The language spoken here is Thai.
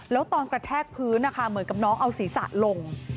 แล้วตอนกระแทกพื้นนะคะเหมือนกับน้องเอาศีรษะลง